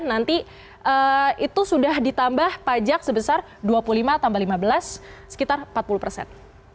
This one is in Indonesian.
nanti itu sudah ditambah pajak sebesar dua puluh lima tambah lima belas sekitar empat puluh persen